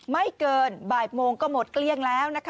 ไม่เกินบ่ายโมงก็หมดเกลี้ยงแล้วนะคะ